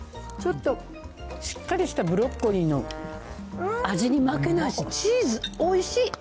ちょっとしっかりしたブロッコリーの味に負けないし、チーズ、おいしい！